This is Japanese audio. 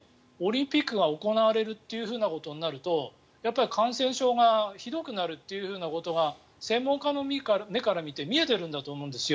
ここに来て、オリンピックが行われるということになるとやっぱり感染症がひどくなるということが専門家の目から見て見えてるんだと思うんですよ。